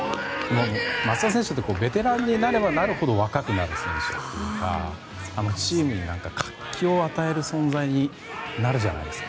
松田選手ってベテランになればなるほど若くなる選手というかチームに活気を与える存在になるじゃないですか。